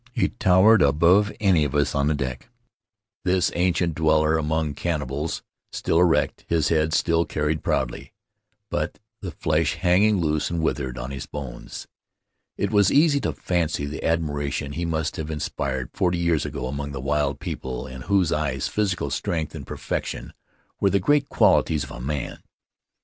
He towered above any of us on the deck — this ancient dweller among cannibals — still erect, his head still carried proudly, but the flesh hanging loose and withered on his bones. It was easy to fancy the admiration he must have inspired forty years ago among the wild people, in whose eyes physical strength and perfection were the great qual ities of a man.